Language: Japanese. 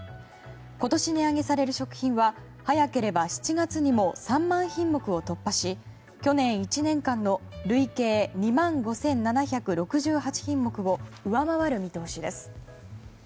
今年値上げされる食品は早ければ７月にも３万品目を突破し去年１年間の累計２万５７６８品目を上回る見通しです。